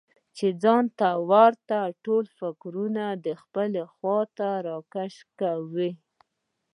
چې ځان ته ورته ټول فکرونه خپلې خواته راکشوي.